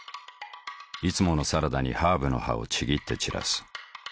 いつものサラダにハーブの葉をちぎって散らす。